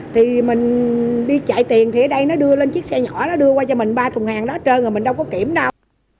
thì mình đi chạy tiền thì ở đây nó đưa lên chiếc xe nhỏ nó đưa qua cho mình ba thùng hàng đó trơn rồi mình đâu có kiểm đâu